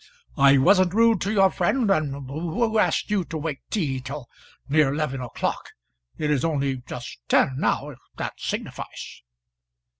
"I wasn't rude to your friend, and who asked you to wait tea till near eleven o'clock? It is only just ten now, if that signifies."